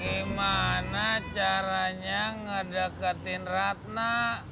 gimana caranya ngedeketin rathna